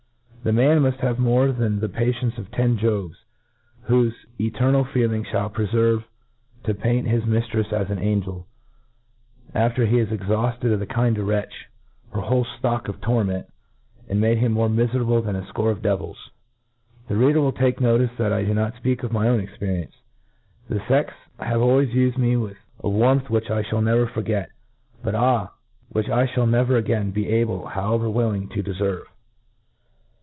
The man muft have more than the patience of ten Jobs, whofe internal feelings (hall perfevere to paint his miftrefs as an angel, after fhe has ex haufted on the kind wretch her whole ftock of torment, and made him more miferable than a fcore of devils. The reader will take notice that I do not fpeak my own experience : The fex have always ufed me with a warmth which I fliall never forget, but, ah ! which I fhall never again be able, however willing, to deferve.